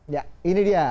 ya ini dia